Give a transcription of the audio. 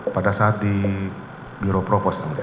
pada saat di biro propos